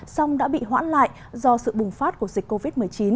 song đã bị hoãn lại do sự bùng phát của dịch covid một mươi chín